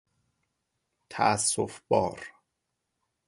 تأسف بار